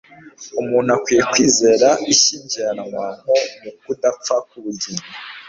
umuntu akwiye kwizera ishyingiranwa nko mu kudapfa k'ubugingo